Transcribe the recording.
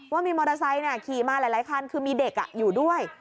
ว่ามีมอเตอร์ไซค์ขี่มาหลายคันคือมีเด็กอยู่ด้วย